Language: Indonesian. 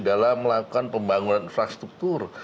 dalam melakukan pembangunan infrastruktur